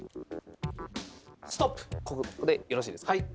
ここでよろしいですか？